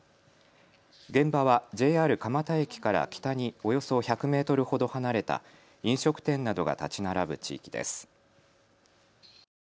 現場はＪＲ蒲田駅から北におよそ１００メートルほど離れた飲食店などが建ち並ぶ地域です。